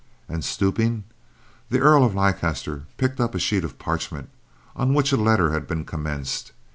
and, stooping, the Earl of Leicester picked up a sheet of parchment on which a letter had been commenced.